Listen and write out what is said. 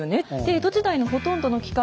江戸時代のほとんどの期間